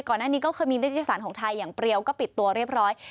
ก่อนหน้านี้ก็เคยมีนิตยสารของไทยอย่างเปรียวก็ปิดตัวเรียบร้อย